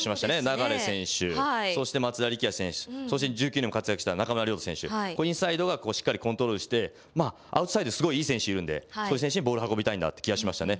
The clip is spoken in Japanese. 流選手、そして松田力也選手、そして１９年活躍した中村亮土選手、コントロールして、アウトサイド、すごいいい選手いるんで、こういう選手にボール運びたいなって気がしましたね。